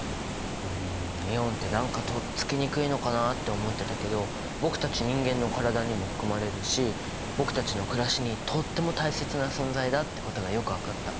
イオンって何かとっつきにくいのかなって思ってたけど僕たち人間の体にも含まれるし僕たちの暮らしにとっても大切な存在だってことがよく分かった。